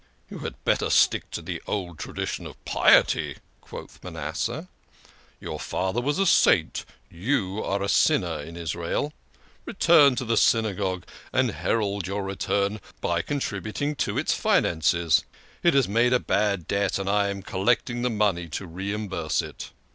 "You had better stick to the old tradition of piety," quoth Manasseh. " Your father was a saint, you are a sin ner in Israel. Return to the Synagogue, and herald your return by contributing to its finances. It has made a bad debt, and I am collecting money to reimburse it."